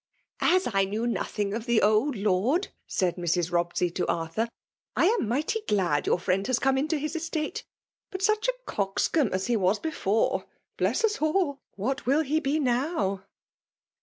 *' As I knew nothing of the old Lord/^ said Mrs. Robsey to Arthur, " I am mighty glad your friend has come to his estate. But such a coxcomb as he was before, — bless as all !— what will he be now